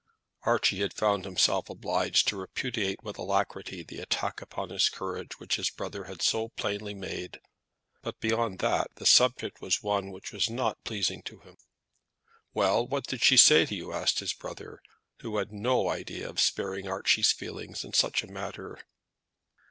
Archie had found himself obliged to repudiate with alacrity the attack upon his courage which his brother had so plainly made; but, beyond that, the subject was one which was not pleasing to him. "Well, what did she say to you?" asked his brother, who had no idea of sparing Archie's feelings in such a matter.